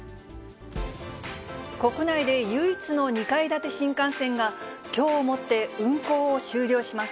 国内で唯一の２階建て新幹線が、きょうをもって運行を終了します。